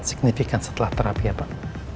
signifikan setelah terapi ya pak